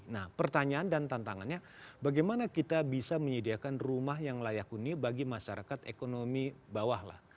nah pertanyaan dan tantangannya bagaimana kita bisa menyediakan rumah yang layak huni bagi masyarakat ekonomi bawah lah